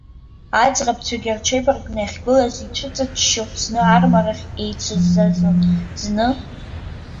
Аӡӷабцәагьы рҽеибаркны иахьгылаз, ицәыҵаччо, зны армарахь еицызазон, зны.